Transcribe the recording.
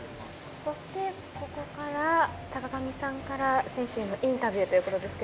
そしてここから坂上さんから選手へのインタビューということですけど。